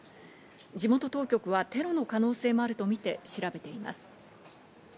地元当局はテロの可能性もあるとみて調べています。